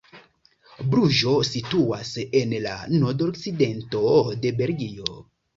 Bruĝo situas en la nordokcidento de Belgio.